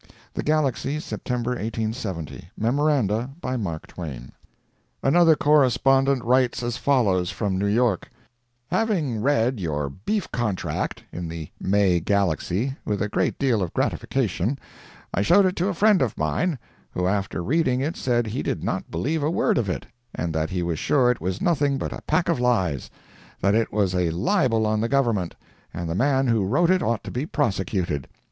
THE GALAXY, September 1870 MEMORANDA. BY MARK TWAIN. Another correspondent writes as follows from New York: Having read your "Beef Contract" in the May GALAXY with a great deal of gratification, I showed it to a friend of mine, who after reading it said he did not believe a word of it, and that he was sure it was nothing but a pack of lies; that it was a libel on the Government, and the man who wrote it ought to be prosecuted.